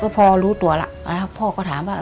พอรู้ตัวแล้วพ่อก็ถามว่า